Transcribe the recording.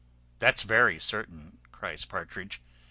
"That's very certain," cries Partridge.